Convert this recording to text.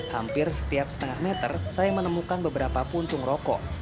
hampir setiap setengah meter saya menemukan beberapa puntung rokok